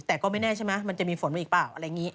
แต่ก็ไม่แน่ใช่ไหมมันจะมีฝนมาอีกเปล่าอะไรอย่างนี้